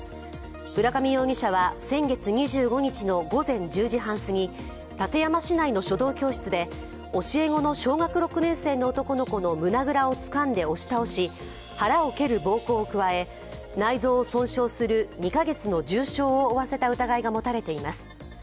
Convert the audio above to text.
浦上容疑者は先月２５日の午前１０時半すぎ、館山市内の書道教室で、教え子の小学６年生の男の子の胸倉をつかんで押し倒し腹を蹴る暴行を加え内臓を損傷する２カ月の重傷を負わせた疑いが持たれています。